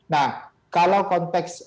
nah kalau konteks